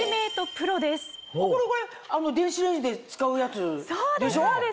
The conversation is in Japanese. これ電子レンジで使うやつでしょ？